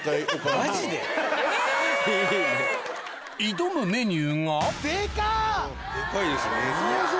挑むメニューがデカっ！